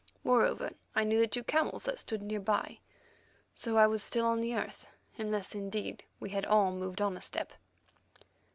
Moreover, I knew the two camels that stood near by. So I was still on earth—unless, indeed we had all moved on a step.